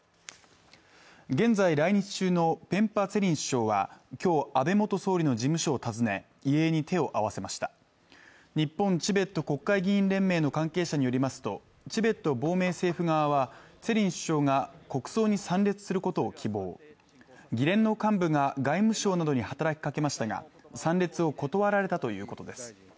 現在来日中のペンパ・ツェリン首相はきょう安倍元総理の事務所を訪ね遺影に手を合わせました日本チベット国会議員連盟の関係者によりますとチベット亡命政府側はツェリン首相が国葬に参列することを希望議連の幹部が外務省などに働きかけましたが参列を断られたということです